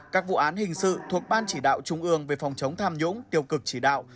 các vụ án hình sự thuộc ban chỉ đạo trung ương về phòng chống tham nhũng tiêu cực chỉ đạo